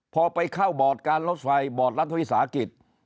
พอไปเข้าบอร์ดการรถไฟบอร์ดรัฐวิสาหกิจ